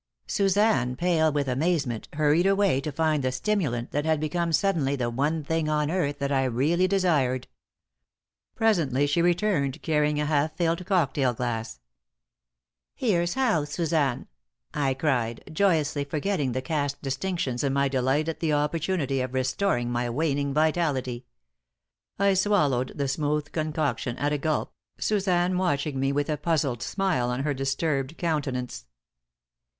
Suzanne, pale with amazement, hurried away to find the stimulant that had become suddenly the one thing on earth that I really desired. Presently, she returned, carrying a half filled cocktail glass. "Here's how, Suzanne!" I cried, joyously, forgetting caste distinctions in my delight at the opportunity of restoring my waning vitality. I swallowed the smooth concoction at a gulp, Suzanne watching me with a puzzled smile on her disturbed countenance.